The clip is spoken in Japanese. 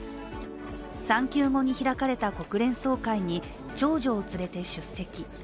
産休後に開かれた国連総会に長女を連れて出席。